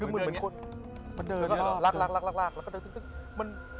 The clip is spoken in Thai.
มันเดินรอบ